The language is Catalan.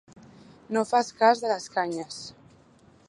No fas cas de les canyes.